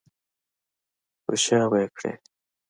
په شا به یې کړې.